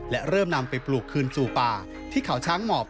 และเริ่มนำไปปลูกคืนสู่ป่าที่เขาช้างหมอบ